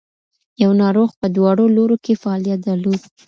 یو ناروغ په دواړو لورو کې فعالیت درلود.